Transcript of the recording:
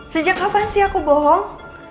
sejak kapan sih aku bohong